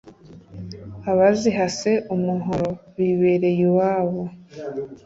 Abazihase umuhoro Bibereye iwabo